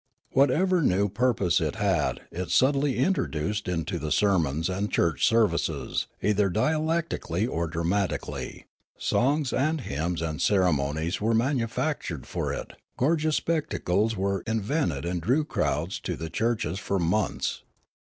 Whatever new purpose it had it subtl}' introduced into the sermons and church services, either didactically or dramatically ; songs and hymns and ceremonies were matuifactured for it ; gorgeous spectacles were invented and drew crowds to the churches for months.